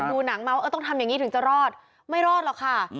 ดูหนังเมาส์ต้องทำอย่างนี้ถึงจะรอดไม่รอดหรอกค่ะ